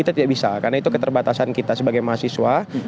kita tidak bisa karena itu keterbatasan kita sebagai mahasiswa